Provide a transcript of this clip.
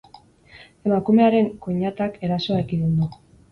Emakumearen koinatak erasoa ekidin du.